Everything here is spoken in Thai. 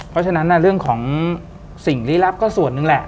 เพราะฉะนั้นเรื่องของสิ่งลี้ลับก็ส่วนหนึ่งแหละ